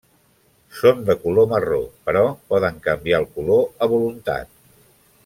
Són de color marró però poden canviar el color a voluntat.